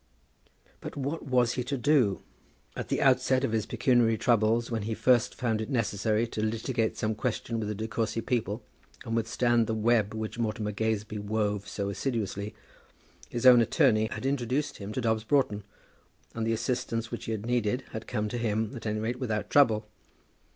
But what was he to do? At the outset of his pecuniary troubles, when he first found it necessary to litigate some question with the De Courcy people, and withstand the web which Mortimer Gazebee wove so assiduously, his own attorney had introduced him to Dobbs Broughton, and the assistance which he had needed had come to him, at any rate, without trouble.